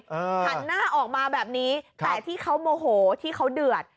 หันหน้าออกมาแบบนี้แต่ที่เขาโมโหที่เขาเดือด